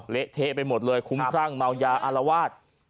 เละเทะไปหมดเลยคุ้มครั่งเมายาอารวาส